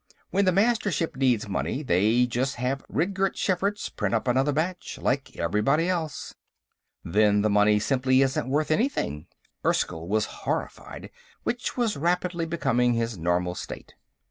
When the Mastership needs money, they just have Ridgerd Schferts print up another batch. Like everybody else." "Then the money simply isn't worth anything!" Erskyll was horrified, which was rapidly becoming his normal state.